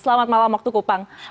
selamat malam waktu kupang